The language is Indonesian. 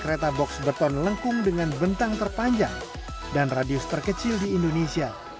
kereta box beton lengkung dengan bentang terpanjang dan radius terkecil di indonesia